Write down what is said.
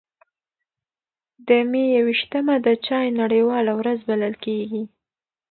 د مې یو ویشتمه د چای نړیواله ورځ بلل کېږي.